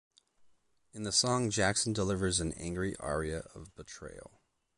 In the song, Jackson delivers an "angry aria" of betrayal.